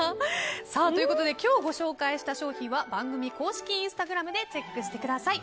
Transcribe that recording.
今日ご紹介した商品は番組公式インスタグラムでチェックしてください。